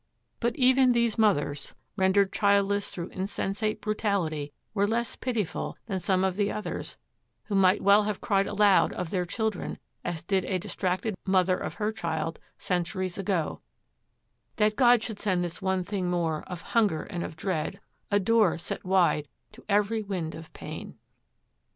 But even these mothers, rendered childless through insensate brutality, were less pitiful than some of the others, who might well have cried aloud of their children as did a distracted mother of her child centuries ago, That God should send this one thing more Of hunger and of dread, a door Set wide to every wind of pain!